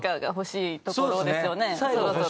そろそろ。